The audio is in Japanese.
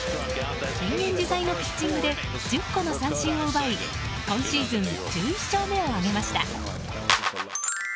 変幻自在のピッチングで１０個の三振を奪い今シーズン１１勝目を挙げました。